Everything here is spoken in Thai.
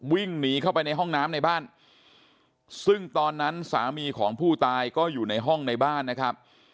วิ่งหนีเข้าไปในห้องน้ำในบ้านซึ่งตอนนั้นสามีของผู้ตายก็อยู่ในห้องในบ้านนะครับ